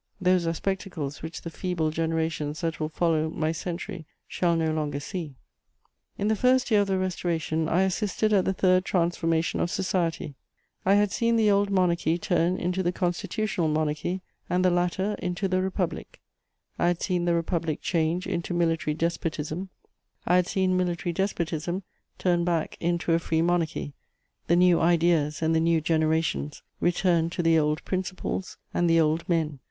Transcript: Those are spectacles which the feeble generations that will follow my century shall no longer see. [Sidenote: The first Restoration.] In the first year of the Restoration, I assisted at the third transformation of society: I had seen the old Monarchy turn into the Constitutional Monarchy, and the latter into the Republic; I had seen the Republic change into military despotism; I had seen military despotism turn back into a free Monarchy, the new ideas and the new generations return to the old principles and the old men.